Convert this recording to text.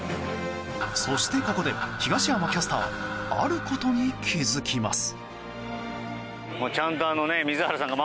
そして、ここで東山キャスターあることに気づきます。